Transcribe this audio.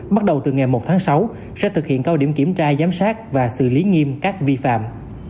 bắt đầu từ ngày một tháng sáu sẽ thực hiện cao điểm kiểm tra giám sát và xử lý nghiêm các vi phạm